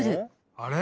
あれ？